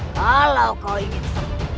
kalau kau ingin semua